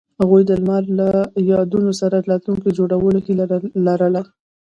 هغوی د لمر له یادونو سره راتلونکی جوړولو هیله لرله.